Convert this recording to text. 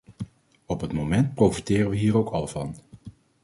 Op het moment profiteren we hier ook al van.